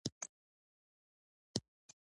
ایا زه باید ماشوم ته درمل ورکړم؟